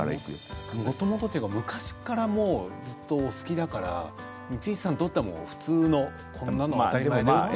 もともとというより昔から好きだから光石さんにとっては普通の、こんなの当たり前と。